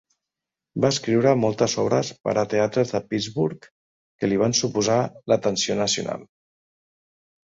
Va escriure moltes obres per a teatres de Pittsburgh que li van suposar l'atenció nacional.